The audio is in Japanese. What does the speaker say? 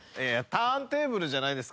ターンテーブルじゃないですか？